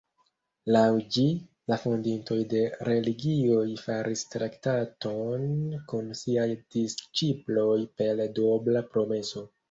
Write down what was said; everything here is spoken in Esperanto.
Laŭ ĝi, la fondintoj de religioj faris traktaton kun siaj disĉiploj per duobla promeso.